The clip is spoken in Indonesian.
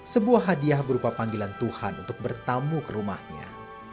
sebuah hadiah berupa panggilan tuhan untuk bertamu ke rumahnya